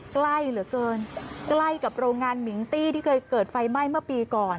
ใกล้เหลือเกินใกล้กับโรงงานมิงตี้ที่เคยเกิดไฟไหม้เมื่อปีก่อน